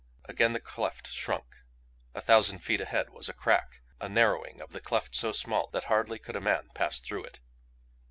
Again the cleft shrunk. A thousand feet ahead was a crack, a narrowing of the cleft so small that hardly could a man pass through it.